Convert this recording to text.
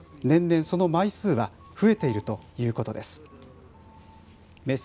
年々、その枚数は増えているということです。